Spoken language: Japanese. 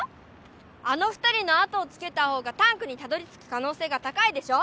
あの２人の後をつけたほうがタンクにたどりつくかのうせいが高いでしょ！